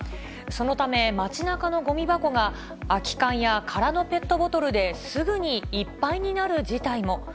そのため、街なかのごみ箱が空き缶や空のペットボトルですぐにいっぱいになる事態も。